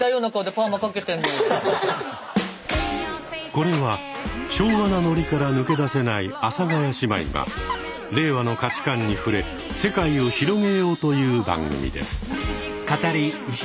これは昭和なノリから抜け出せない阿佐ヶ谷姉妹が令和の価値観に触れ世界を広げようという番組です。